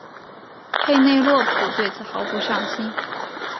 佩内洛普对此毫不上心。